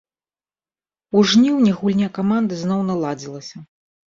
У жніўні гульня каманды зноў наладзілася.